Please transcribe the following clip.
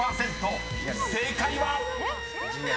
［正解は⁉］